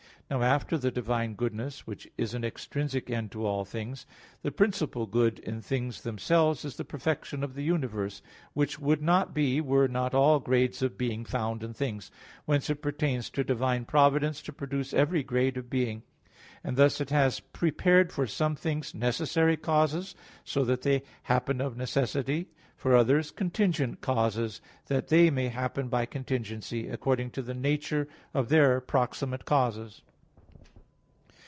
Now after the divine goodness, which is an extrinsic end to all things, the principal good in things themselves is the perfection of the universe; which would not be, were not all grades of being found in things. Whence it pertains to divine providence to produce every grade of being. And thus it has prepared for some things necessary causes, so that they happen of necessity; for others contingent causes, that they may happen by contingency, according to the nature of their proximate causes.